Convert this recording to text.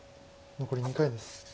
残り２回です。